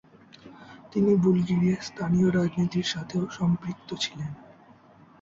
তিনি বুলগেরিয়ার স্থানীয় রাজনীতির সাথেও সম্পৃক্ত ছিলেন।